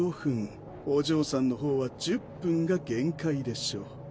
お嬢さんの方は１０分が限界でしょう。